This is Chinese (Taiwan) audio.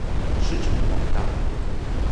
市場廣大